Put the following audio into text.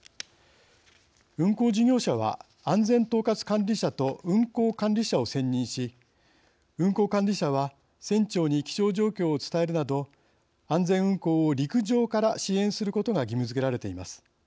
運航事業者は安全統括管理者と運航管理者を選任し運航管理者は船長に気象状況を伝えるなど安全運航を陸上から支援することが義務づけられています。